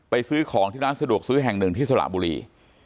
ซื้อของที่ร้านสะดวกซื้อแห่งหนึ่งที่สระบุรี